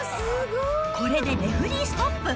これでレフリーストップ。